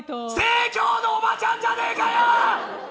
生協のおばちゃんじゃないかよ